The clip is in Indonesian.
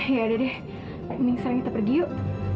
ya udah deh minggir kita pergi yuk